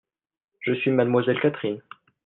Je suis Mlle Catherine.